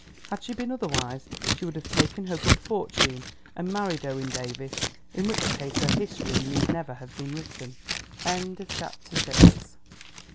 Had she been otherwise, she would have taken her good fortune and married Owen Davies, in which case her history need never have been written. CHAPTER VII.